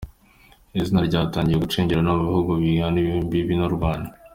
Iri zina ryatangiye gucengera no mu bihugu bihana imbibi n’u Rwanda.